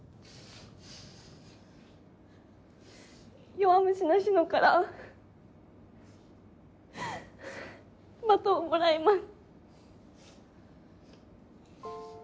弱虫の志乃からバトンをもらいます。